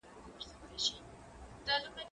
زه د لوبو لپاره وخت نيولی دی!؟